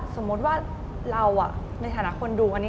สมมติว่าเราขณะคนดู